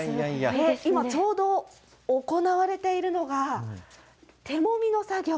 今ちょうど行われているのが、手もみの作業。